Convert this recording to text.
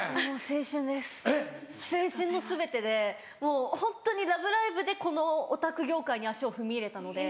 青春の全てでもうホントに『ラブライブ！』でこのオタク業界に足を踏み入れたので。